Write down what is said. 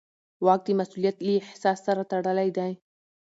واک د مسوولیت له احساس سره تړلی دی.